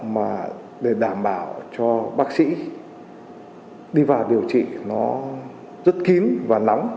mà để đảm bảo cho bác sĩ đi vào điều trị nó rất kín và nóng